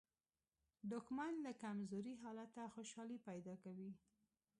دښمن له کمزوري حالته خوشالي پیدا کوي